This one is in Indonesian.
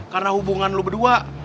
karena hubungan lo berdua